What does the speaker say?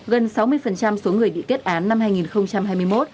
gần sáu mươi số người bị kết án năm hai nghìn hai mươi một ở độ tuổi từ hai đến ba tuổi